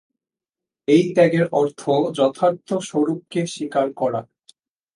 এই ত্যাগের অর্থ যথার্থ স্বরূপকে স্বীকার করা।